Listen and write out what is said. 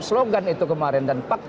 slogan itu kemarin dan fakta itu